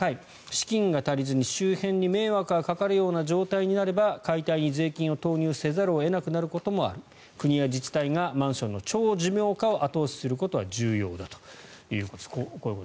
資金が足りずに周辺に迷惑がかかるような状態になれば解体に税金を投入せざるを得なくなることもある国や自治体がマンションの長寿命化を後押しすることは重要だということです。